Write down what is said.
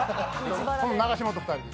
永島と２人で。